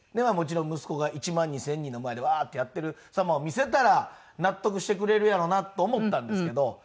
もちろん息子が１万２０００人の前でワーッてやってる様を見せたら納得してくれるやろなと思ったんですけど。